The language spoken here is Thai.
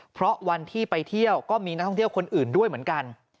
เพราะวันที่ไปเที่ยวก็มีนักท่องเที่ยวคนอื่นด้วยเหมือนกัน